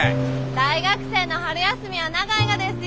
大学生の春休みは長いがですよ！